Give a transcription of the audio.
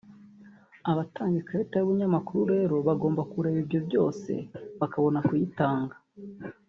Abatanga ikarita y’ubunyamakuru rero bagomba kureba ibyo byose bakabona kuyitanga